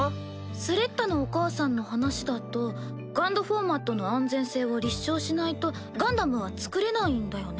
スレッタのお母さんの話だとＧＵＮＤフォーマットの安全性を立証しないとガンダムは造れないんだよね？